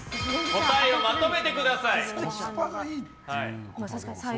答えをまとめてください！